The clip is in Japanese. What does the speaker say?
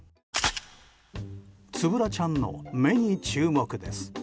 つぶらちゃんの目に注目です。